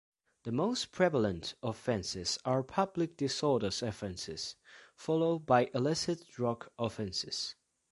The most prevalent offences are Public Disorder offences, followed by illicit drug offences.